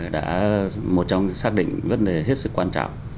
đã một trong xác định vấn đề hết sức quan trọng